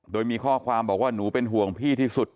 โดยมีข้อความบอกว่าหนูเป็นห่วงพี่ที่สุด